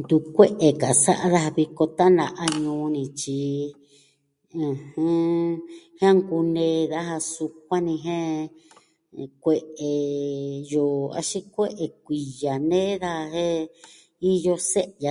Ntu kue'e ka sa'a daja viko tana'a ñuu ni tyi, ɨjɨn... jiaan kunee daja. Sukuan ni jen... ej kue'e yoo axin kue'e kuiya nee daja jen iyo se'ya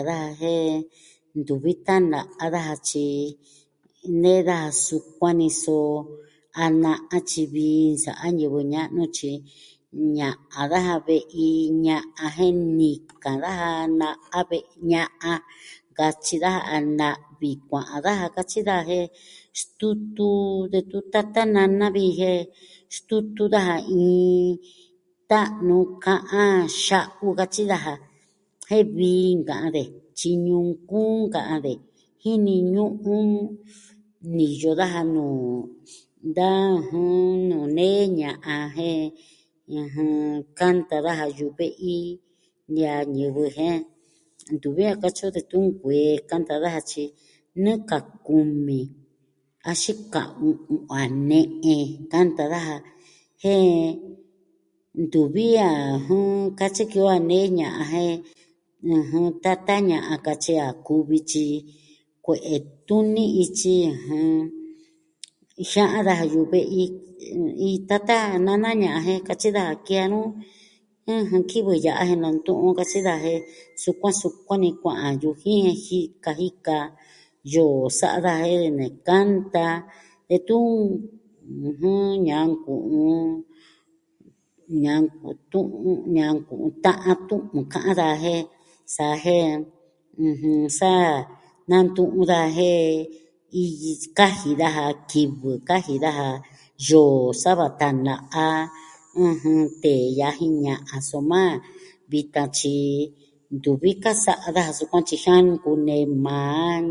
daja jen ntuvi tana'a daja tyi nee daja sukuan ni so a na'a tyi vi nsa'a ñivɨ ña'nu tyi ña'an daja ve'i ña'an jen nika daja na'a ve... ña'an. Katyi daja a na'vi kua'an daja, katyi daja, jen stutu detun tata nana vi jen, stutu daja iin... ta'nu ka'an xa'u katyi daja jen vii nka'an de. Tyi ñuu nkuu ka'an de. Jini ñu'un, niyo daja nuu nda... jɨn... nuu nee ña'an jen kanta daja yu'u ve'i ñe ñivɨ jen ntuvi a katyi o detun kuee kanta daja tyi nɨɨ kaa kumi axin kaa u'un a ne'e kanta daja. Jen, ntuvi a jɨn... katyi ki o a nee ña'an, jen ɨjɨn, tata ña'an katyi a kuvi tyi kue'e tuni ityi, jɨn... Jia'an daja yu'u ve'i iin tata nana ña'an jen katyi daja ki a nuu, ɨjɨn, kivɨ ya'a jen nantu'un katyi daja, jen sukuan sukuan ni kua'an yujii jen jika jika yoo sa'a daja jen ne kanta, detun, ɨjɨn... Ñanku'un... ñanku'un tu'un, ñanku'un ta'an tu'un ka'an daja, jen, sa jen, ɨjɨn sa, nantu'un daja jen, i... Kaji daja kivɨ, kaji daja yoo sava tana'a tee ya'a jin ña'an. Soma vitan, tyi ntuvi ka sa'a daja sukuan tyi xa nu kunee maa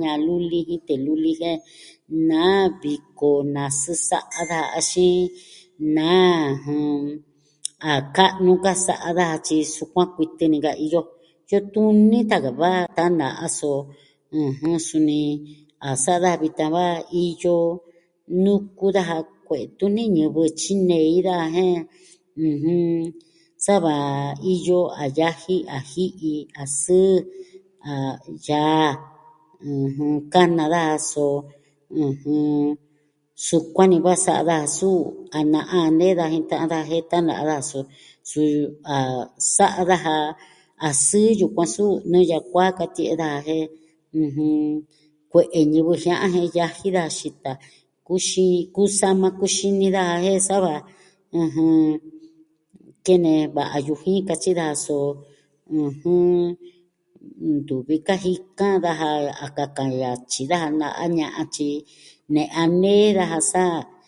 ña'an luli jin tee luli, jen naa viko, na sɨɨ sa'a daja axin naa jɨn... a ka'nu ka sa'a daja tyi sukuan kuitɨ ni ka iyo. Yutun nita ka va tana'a so, ɨjɨn, suni... A sa'a daja vitan va iyo nuku daja kue'e tuni ñivɨ tyinei daja jen ɨjɨn... sava iyo a yaji, a ji'i, a sɨɨ, a yaa. ɨjɨn... Kana daja so... ɨjɨn... sukuan ni va sa'a daja suu, a na'a nee daja jen ta'an daja jen tana'a daja suu, Suu a sa'a daja a sɨɨ yukuan suu, nuu yakuan katie'e daja. Jen, kue'e ñivɨ jia'an jen yaji da xita: Kuxi... kusama, kuxini daja. Jen sava... ɨjɨn... Kene va'a yujii katyi daja so... ɨjɨn... ntuvi ka jika daja a kakan yatyi daja na'a ña'an tyi ne a nee daja sa nantu'un daja nee nasa tana'a daja, nasa sa'a daja, nasa nakumani nu daja, nenu ka'an daja, nenu nuku daja, nenu satu'va daja jen sava kanta tana'a daja vitan.